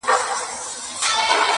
سکون مي ناکراره کي خیالونه تښتوي!!